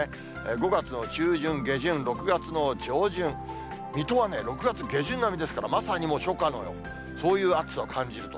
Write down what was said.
５月の中旬、下旬、６月の上旬、水戸はね、６月下旬並みですから、まさにもう初夏のよう、そういう暑さを感じると。